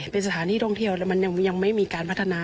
เป็นสถานที่ท่องเที่ยวแล้วมันยังไม่มีการพัฒนา